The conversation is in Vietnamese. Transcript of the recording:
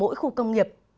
của mỗi khu công nghiệp